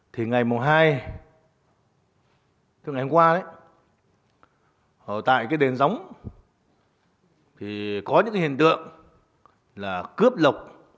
thì ngày mùa hai tức ngày hôm qua đấy ở tại cái đền giống thì có những hiện tượng là cướp lục